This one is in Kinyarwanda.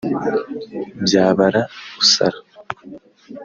Byabara usara.